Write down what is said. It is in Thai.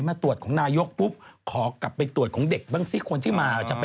ไม่ก็แบบว่าลองทดลองดู